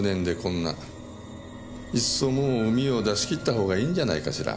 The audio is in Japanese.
いっそもう膿を出し切ったほうがいいんじゃないかしら。